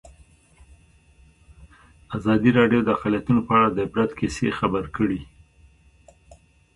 ازادي راډیو د اقلیتونه په اړه د عبرت کیسې خبر کړي.